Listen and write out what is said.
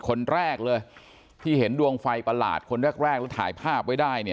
คนแรกเลยที่เห็นดวงไฟประหลาดคนแรกแล้วถ่ายภาพไว้ได้เนี่ย